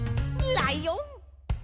ライオン！